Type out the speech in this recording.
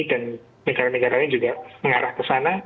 dan negara negara lain juga mengarah ke sana